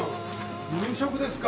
夕食ですか。